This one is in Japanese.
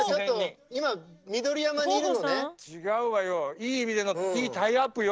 いい意味でのいいタイアップよ！